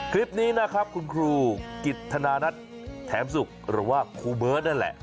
คลิปนี้นะครับคุณครูกิจธนานัทแถมศุกร์หรือว่าครูเบิร์ตนั่นแหละ